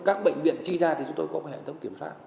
các bệnh viện chi ra thì chúng tôi có hệ thống